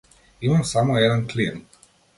Имам само еден клиент.